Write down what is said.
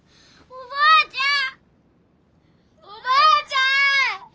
おばあちゃん！